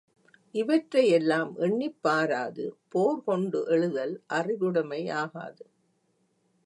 இவற்றை யெல்லாம் எண்ணிப் பாராது போர் கொண்டு எழுதல் அறிவுடைமை ய்ாகாது.